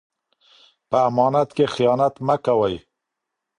په امانت کې خیانت مه کوئ.